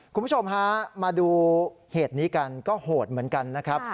คุณผู้ชมฮะมาดูเหตุนี้กันก็โหดเหมือนกันนะครับ